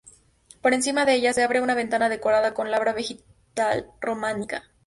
Por encima de ella, se abre una ventana decorada con labra vegetal románica.